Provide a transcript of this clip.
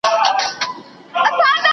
که معلومات تکرار نسي نو له یاده وځي.